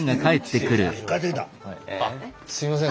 あっすいません